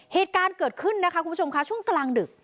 เหตุการณ์เกิดขึ้นนะคะคุณผู้ชมค่ะช่วงกลางดึก